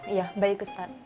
iya baik ustadz